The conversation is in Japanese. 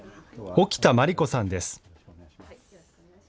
沖田麻理子さんです。